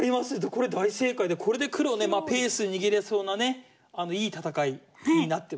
これ大正解でこれで黒ねペース握れそうなねいい戦いになってます。